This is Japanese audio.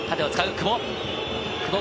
縦を使う久保。